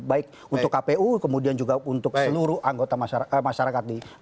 baik untuk kpu kemudian juga untuk seluruh anggota masyarakat